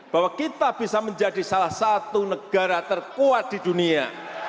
bahwa kita bisa menjadi salah satu negara terkuat di dunia